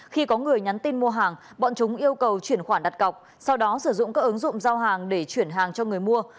khi có người nhắn tin mua hàng bọn chúng yêu cầu chuyển khoản đặt cọc sau đó sử dụng các ứng dụng giao hàng để chuyển hàng cho người mua